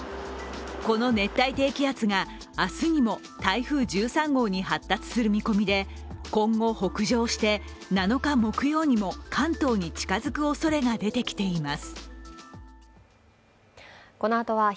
この熱帯低気圧が明日にも台風１３号に発達する見込みで今後北上して７日木曜にも関東に近づくおそれが出てきています。